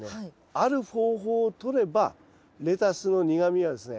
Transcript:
ある方法をとればレタスの苦みはですね